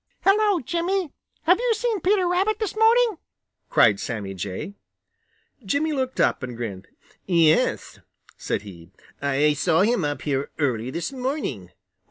"Hello, Jimmy. Have you seen Peter Rabbit this morning?" cried Sammy Jay. Jimmy looked up and grinned. "Yes," said he. "I saw him up here early this morning.